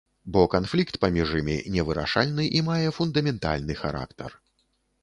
Бо канфлікт паміж імі невырашальны і мае фундаментальны характар.